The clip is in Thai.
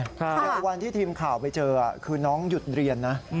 เดี๋ยววันที่ทีมข่าวไปเจอคือน้องหยุดเรียนนะ